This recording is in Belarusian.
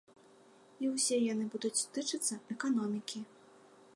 І ўсе яны будуць тычыцца эканомікі.